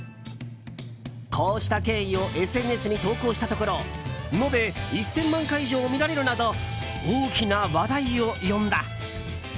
こうした経緯をＳＮＳに投稿したところ延べ１０００万回以上見られるなど大きな話題を呼んだ。